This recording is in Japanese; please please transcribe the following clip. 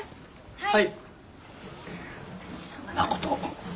はい。